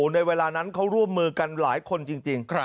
ในเวลานั้นเขาร่วมมือกันหลายคนจริง